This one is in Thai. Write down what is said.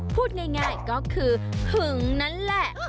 พูดง่ายก็คือหึงนั่นแหละ